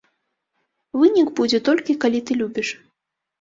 Вынік будзе толькі калі ты любіш.